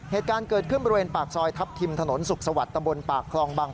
เหตุการณ์เกิดขึ้นบริเวณปากซอยทัพทิมถนนสุขสวัสดิ์ตำบลปากคลองบัง